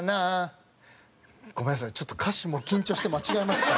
ごめんなさいちょっと歌詞緊張して間違えました。